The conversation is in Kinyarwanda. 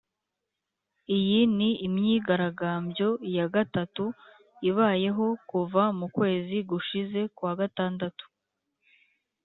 iyi ni imyigaragambyo ya gatatu ibayeho kuva mu kwezi gushize kwa gatandatu